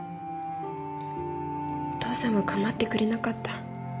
お父さんは構ってくれなかった。